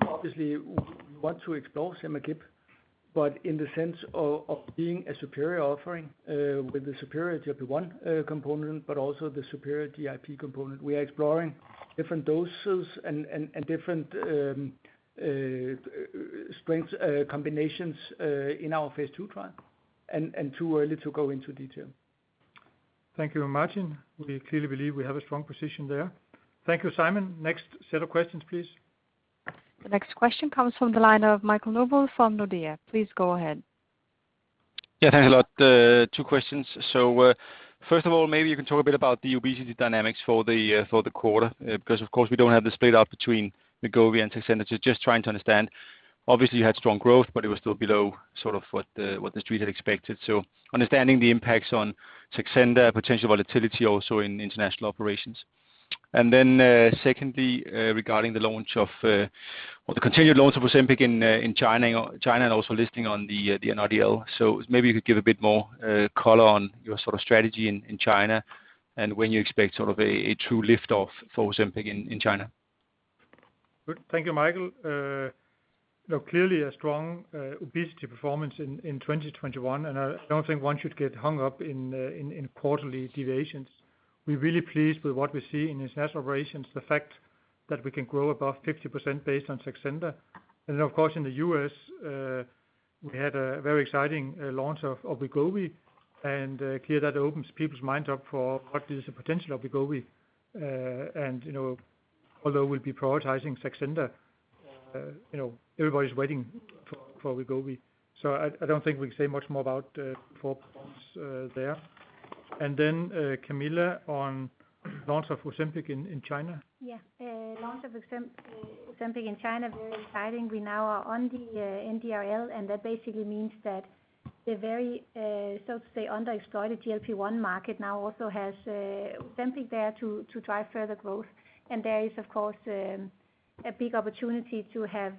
obviously we want to explore semaglutide, but in the sense of being a superior offering, with the superiority of the one component, but also the superiority IP component. We are exploring different doses and different strengths, combinations, in our phase II trial, and too early to go into detail.
Thank you, Martin. We clearly believe we have a strong position there. Thank you, Simon. Next set of questions, please.
The next question comes from the line of Michael Novod from Nordea. Please go ahead.
Yeah, thanks a lot. Two questions. First of all, maybe you can talk a bit about the obesity dynamics for the quarter, because of course we don't have the split out between Wegovy and Saxenda. Just trying to understand. Obviously you had strong growth, but it was still below sort of what the Street had expected. Understanding the impacts on Saxenda, potential volatility also in international operations. Secondly, regarding the continued launch of Ozempic in China and also listing on the NRDL. Maybe you could give a bit more color on your sort of strategy in China and when you expect sort of a true lift off for Ozempic in China.
Good. Thank you, Michael. You know, clearly a strong obesity performance in 2021, and I don't think one should get hung up in quarterly deviations. We're really pleased with what we see in international operations, the fact that we can grow above 50% based on Saxenda. Then of course in the U.S., we had a very exciting launch of Wegovy, and clear that opens people's minds up for what is the potential of Wegovy. You know, although we'll be prioritizing Saxenda, you know, everybody's waiting for Wegovy. I don't think we can say much more about four points there. Then Camilla on launch of Ozempic in China.
Yeah. Launch of Ozempic in China, very exciting. We now are on the NRDL, and that basically means that the very, so to say, under-exploited GLP-1 market now also has Ozempic there to drive further growth. There is, of course, a big opportunity to have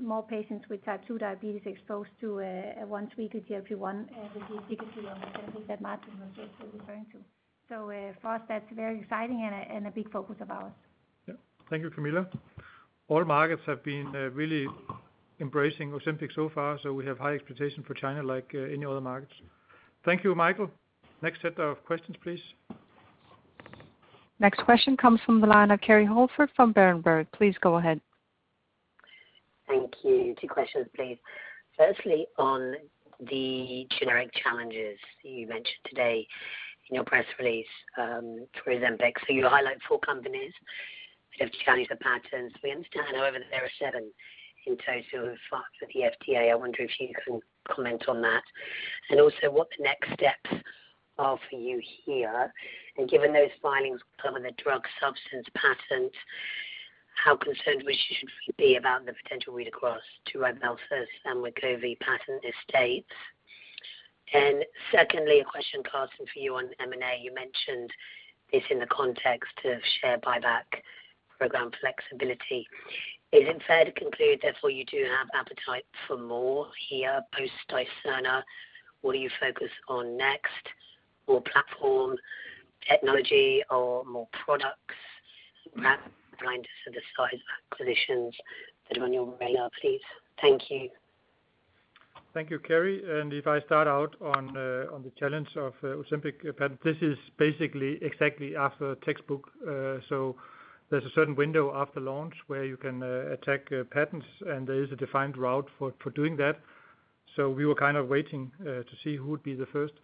more patients with Type 2 diabetes exposed to a once-weekly GLP-1, which is dulaglutide that Martin was also referring to. For us, that's very exciting and a big focus of ours.
Yeah. Thank you, Camilla. All markets have been really embracing Ozempic so far, so we have high expectations for China like any other markets. Thank you, Michael. Next set of questions, please.
Next question comes from the line of Kerry Holford from Berenberg. Please go ahead.
Thank you. two questions, please. Firstly, on the generic challenges you mentioned today in your press release for Ozempic. You highlight four companies who have challenged the patents. We understand, however, that there are seven in total who filed for the FDA. I wonder if you can comment on that. What the next steps are for you here? Given those filings cover the drug substance patents, how concerned we should be about the potential read across to Rybelsus and Wegovy patent estates? Secondly, a question, Karsten, for you on M&A. You mentioned this in the context of share buyback program flexibility. Is it fair to conclude, therefore, you do have appetite for more here post Dicerna? What do you focus on next? More platform technology or more products? Perhaps reminders for the size of acquisitions that are on your radar, please. Thank you.
Thank you, Kerry. If I start out on the challenge of Ozempic patent, this is basically exactly after textbook. There's a certain window after launch where you can attack patents, and there is a defined route for doing that. We were kind of waiting to see who would be the first.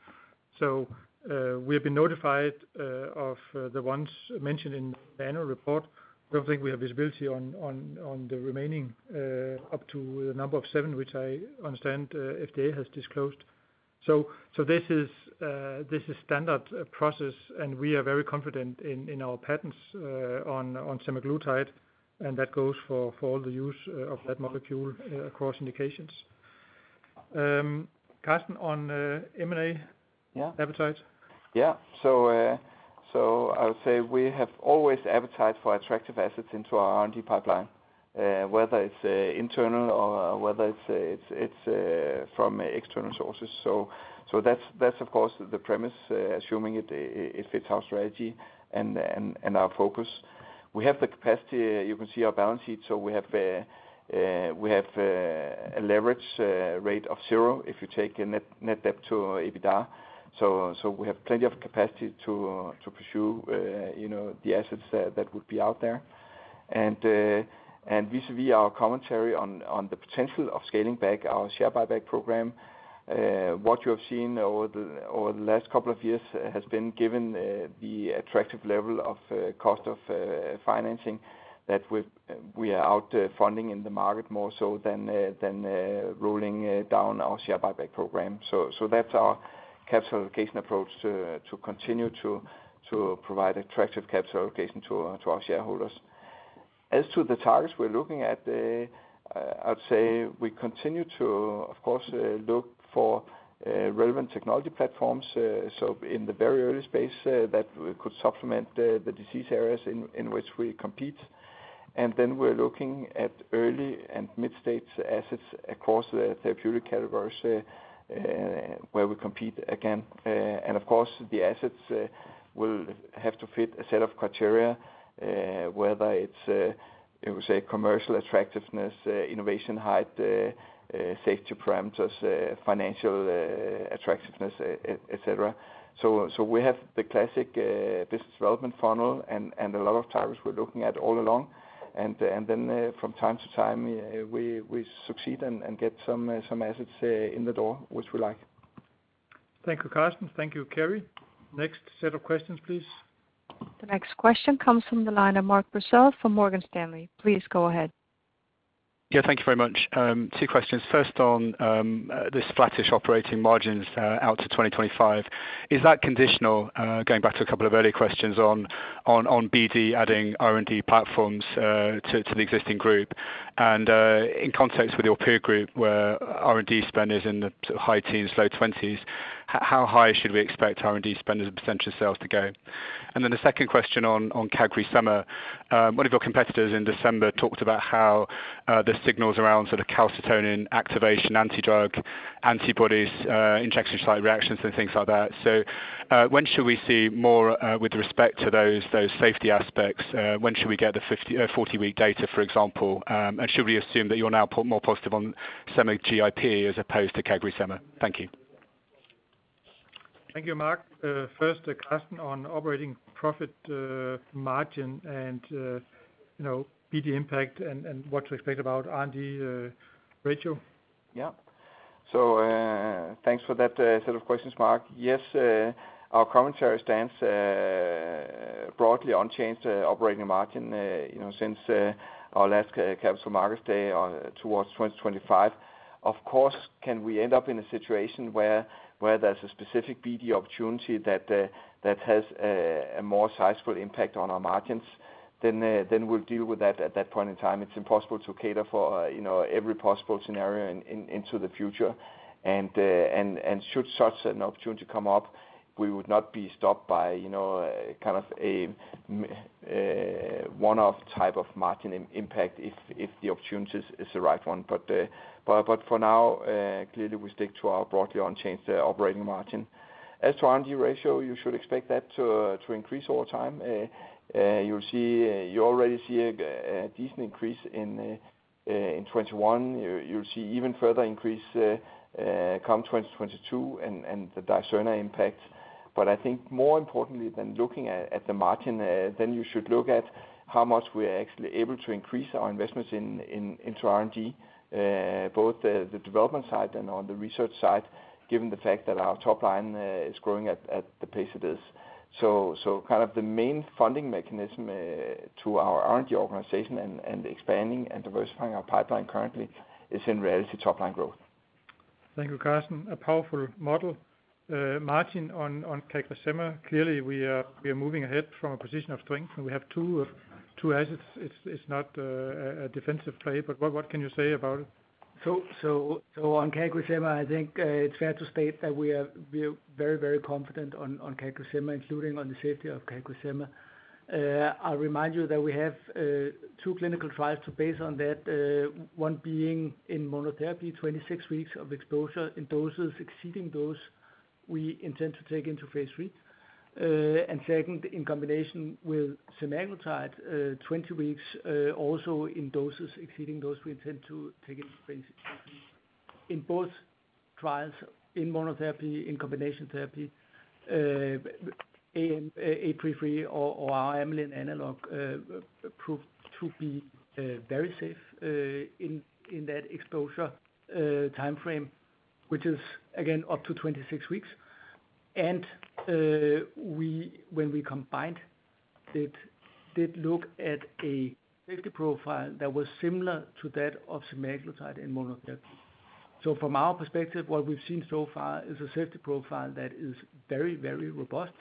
We have been notified of the ones mentioned in the annual report. I don't think we have visibility on the remaining up to the number of seven, which I understand FDA has disclosed. This is standard process, and we are very confident in our patents on semaglutide, and that goes for all the use of that molecule across indications. Karsten, on M&A-
Yeah.
-appetite.
I would say we have always appetite for attractive assets into our R&D pipeline, whether it's internal or whether it's from external sources. That's of course the premise, assuming it fits our strategy and our focus. We have the capacity. You can see our balance sheet. We have a leverage rate of zero if you take a net debt to EBITDA. We have plenty of capacity to pursue, you know, the assets that would be out there. vis-a-vis our commentary on the potential of scaling back our share buyback program, what you have seen over the last couple of years has been given the attractive level of cost of financing that we are out funding in the market more so than rolling down our share buyback program. That's our capital allocation approach to continue to provide attractive capital allocation to our shareholders. As to the targets we're looking at, I'd say we continue to, of course, look for relevant technology platforms, so in the very early space, that could supplement the disease areas in which we compete. Then we're looking at early and mid-stage assets across the therapeutic categories where we compete again. Of course, the assets will have to fit a set of criteria, whether it's commercial attractiveness, innovation height, safety parameters, financial attractiveness, et cetera. We have the classic business development funnel and a lot of targets we're looking at all along. From time to time, we succeed and get some assets in the door, which we like.
Thank you, Karsten. Thank you, Kerry. Next set of questions, please.
The next question comes from the line of Mark Purcell from Morgan Stanley. Please go ahead.
Yeah, thank you very much. Two questions. First, on the flattish operating margins out to 2025, is that conditional going back to a couple of earlier questions on BD adding R&D platforms to the existing group? In context with your peer group, where R&D spend is in the high teens, low twenties, how high should we expect R&D spend as a percentage of sales to go? The second question on CagriSema. One of your competitors in December talked about how the signals around sort of calcitonin activation, anti-drug antibodies, injection site reactions, and things like that. When should we see more with respect to those safety aspects? When should we get the 50- and 40-week data, for example? Should we assume that you're now more positive on semaglutide as opposed to CagriSema? Thank you.
Thank you, Mark. First, Karsten on operating profit, margin and, you know, BD impact and what to expect about R&D ratio.
Yeah. Thanks for that set of questions, Mark. Yes, our commentary stands broadly unchanged, operating margin you know since our last Capital Markets Day on towards 2025. Of course, can we end up in a situation where there's a specific BD opportunity that has a more sizable impact on our margins? Then we'll deal with that at that point in time. It's impossible to cater for you know every possible scenario into the future. Should such an opportunity come up, we would not be stopped by you know kind of a one-off type of margin impact if the opportunity is the right one. For now, clearly we stick to our broadly unchanged operating margin. As to R&D ratio, you should expect that to increase over time. You already see a decent increase in 2021. You'll see even further increase come 2022 and the Dicerna impact. But I think more importantly than looking at the margin, then you should look at how much we're actually able to increase our investments into R&D both the development side and on the research side, given the fact that our top line is growing at the pace it is. Kind of the main funding mechanism to our R&D organization and expanding and diversifying our pipeline currently is in reality top line growth.
Thank you, Karsten. A powerful model. Martin on CagriSema, clearly we are moving ahead from a position of strength, and we have two assets. It's not a defensive play, but what can you say about it?
On CagriSema, I think it's fair to state that we are very confident on CagriSema, including on the safety of CagriSema. I'll remind you that we have two clinical trials to base that on, one being in monotherapy, 26 weeks of exposure in doses exceeding those we intend to take into phase III. Second, in combination with semaglutide, 20 weeks, also in doses exceeding those we intend to take into phase III. In both trials, in monotherapy, in combination therapy, AM833 or our amylin analog proved to be very safe in that exposure timeframe, which is again up to 26 weeks. We, when we COMBINE it, did look at a safety profile that was similar to that of semaglutide in monotherapy. From our perspective, what we've seen so far is a safety profile that is very, very robust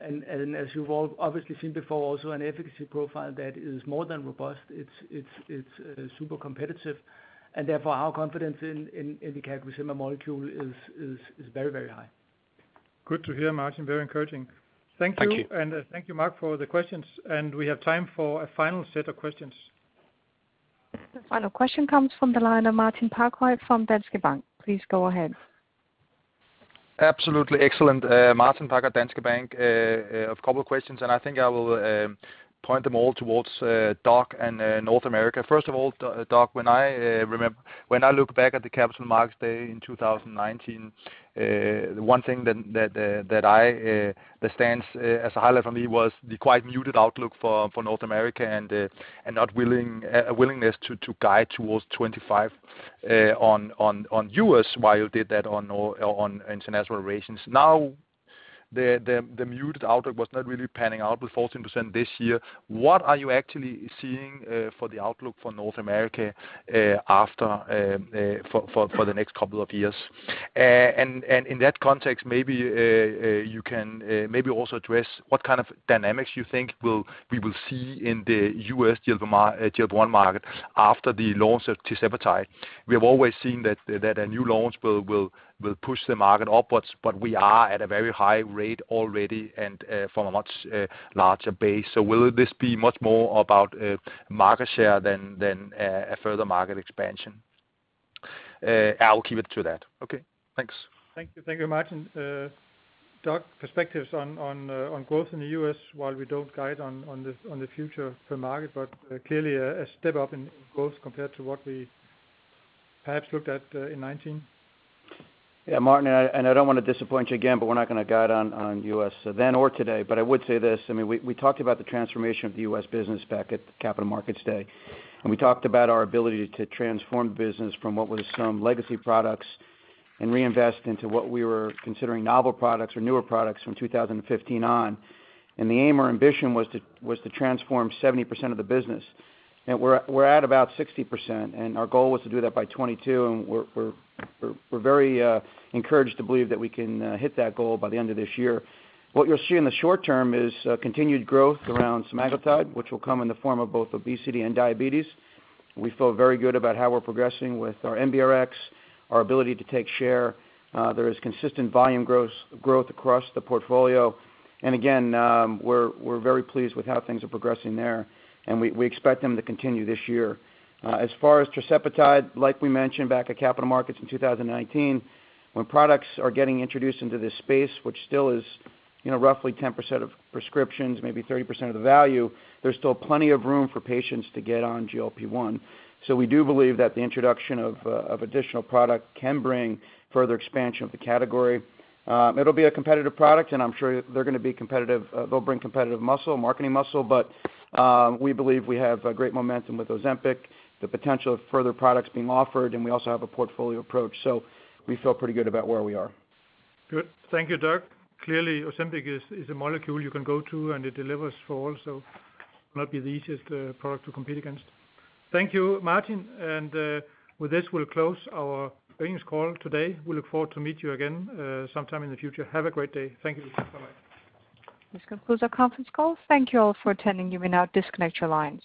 and, as you've all obviously seen before, also an efficacy profile that is more than robust. It's super competitive and therefore our confidence in the CagriSema molecule is very, very high.
Good to hear, Martin. Very encouraging. Thank you.
Thank you.
Thank you, Mark, for the questions, and we have time for a final set of questions.
The final question comes from the line of Martin Parkhøi from Danske Bank. Please go ahead.
Absolutely. Excellent. Martin Parkhøi, Danske Bank. A couple of questions, and I think I will point them all towards Doc and North America. First of all, Doc, when I look back at the Capital Markets Day in 2019, the one thing that stands as a highlight for me was the quite muted outlook for North America and a willingness to guide towards 25 on U.S., while you did that on international relations. Now, the muted outlook was not really panning out with 14% this year. What are you actually seeing for the outlook for North America for the next couple of years? In that context, maybe you can maybe also address what kind of dynamics you think we will see in the U.S. GLP-1 market after the launch of tirzepatide. We have always seen that a new launch will push the market upwards, but we are at a very high rate already and from a much larger base. So will this be much more about market share than a further market expansion? I will keep it to that. Okay, thanks.
Thank you. Thank you, Martin. Doc, perspectives on growth in the U.S., while we don't guide on the future per market, but clearly a step up in growth compared to what we perhaps looked at in 2019.
Yeah, Martin, I don't wanna disappoint you again, but we're not gonna guide on U.S. then or today. I would say this. I mean, we talked about the transformation of the U.S. business back at Capital Markets Day. We talked about our ability to transform business from what was some legacy products and reinvest into what we were considering novel products or newer products from 2015 on. The aim or ambition was to transform 70% of the business. We're at about 60%, and our goal was to do that by 2022. We're very encouraged to believe that we can hit that goal by the end of this year. What you'll see in the short term is continued growth around semaglutide, which will come in the form of both obesity and diabetes. We feel very good about how we're progressing with our NBRx, our ability to take share. There is consistent volume growth across the portfolio. We're very pleased with how things are progressing there, and we expect them to continue this year. As far as tirzepatide, like we mentioned back at Capital Markets in 2019, when products are getting introduced into this space, which still is, you know, roughly 10% of prescriptions, maybe 30% of the value, there's still plenty of room for patients to get on GLP-1. We do believe that the introduction of additional product can bring further expansion of the category. It'll be a competitive product, and I'm sure they're gonna be competitive, they'll bring competitive muscle, marketing muscle. We believe we have a great momentum with Ozempic, the potential of further products being offered, and we also have a portfolio approach. We feel pretty good about where we are.
Good. Thank you, Doc. Clearly, Ozempic is a molecule you can go to, and it delivers for all, so it will not be the easiest product to compete against. Thank you, Martin. With this, we'll close our earnings call today. We look forward to meet you again sometime in the future. Have a great day. Thank you. Bye-bye.
This concludes our conference call. Thank you all for attending. You may now disconnect your lines.